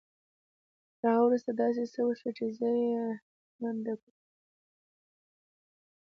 تر هغه وروسته داسې څه وشول چې زه يې هيλε مند کړم.